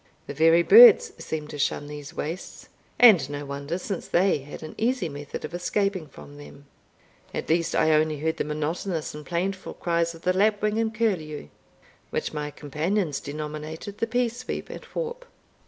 The very birds seemed to shun these wastes, and no wonder, since they had an easy method of escaping from them; at least I only heard the monotonous and plaintive cries of the lapwing and curlew, which my companions denominated the peasweep and whaup.